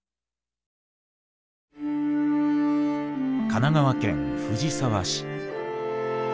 神奈川県藤沢市。